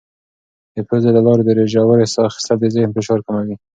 د پوزې له لارې د ژورې ساه اخیستل د ذهن فشار کموي.